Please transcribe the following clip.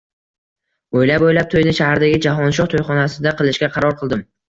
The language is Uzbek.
O`ylab-o`ylab to`yni shahardagi Jahonshoh to`yxonasida qilishga qaror qildim